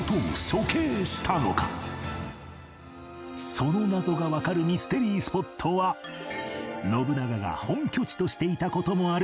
その謎がわかるミステリースポットは信長が本拠地としていた事もある